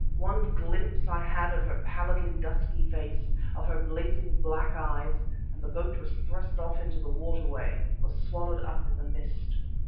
One glimpse I had of her pallidly dusky face, of her blazing black eyes, and the boat was thrust off into the waterway ... was swallowed up in the mist.